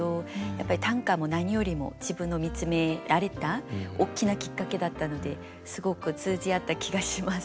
やっぱり短歌も何よりも自分を見つめられた大きなきっかけだったのですごく通じ合った気がします。